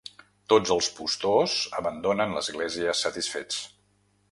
Tots els postors abandonen l'església satisfets.